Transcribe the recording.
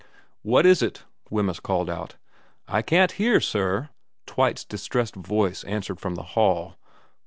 * What is it ?' Wemyss called out. * I can't hear, sir,' Twite's distressed voice answered from the hall.